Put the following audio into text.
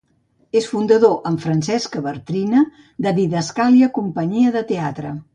És fundador, amb Francesca Bartrina, de Didascàlia Companyia de Teatre.